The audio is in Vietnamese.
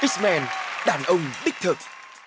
x man đàn ông đích thực